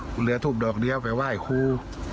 คุณเหลือทูบดอกเดียวไปไหว้ครู